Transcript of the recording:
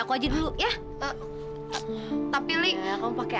rambut gue toh gak